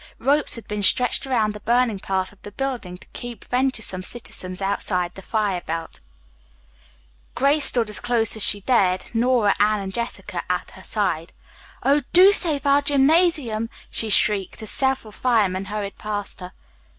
Ropes had been stretched around the burning part of the building to keep venturesome citizens outside the fire belt. Grace stood as close as she dared, Nora, Anne and Jessica at her side. "Oh, do, do save our gymnasium!" she shrieked, as several firemen hurried past her.